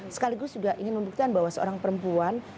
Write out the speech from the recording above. sekaligus juga ingin membuktikan bahwa seorang perempuan